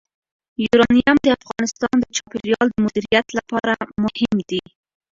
یورانیم د افغانستان د چاپیریال د مدیریت لپاره مهم دي.